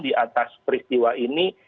di atas peristiwa ini